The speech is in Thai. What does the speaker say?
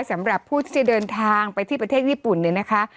สำหรับผู้ที่จะเดินทางไปที่ประเทศญี่ปุ่นเนี่ยนะคะ